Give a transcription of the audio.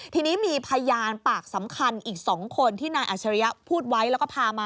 ทีนี้มีพยานปากสำคัญอีก๒คนที่นายอัชริยะพูดไว้แล้วก็พามา